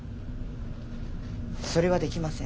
それはできません。